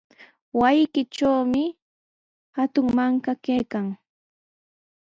Wasiykitrawmi hatun mankaa kaykan.